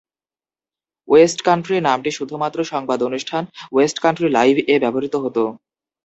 West Country নামটি শুধুমাত্র সংবাদ অনুষ্ঠান "ওয়েস্টকান্ট্রি লাইভ"-এ ব্যবহৃত হত।